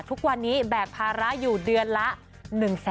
ทุกวันนี้แบกภาระอยู่เดือนละ๑๐๐๐๐๐บาทจุกจ้ะ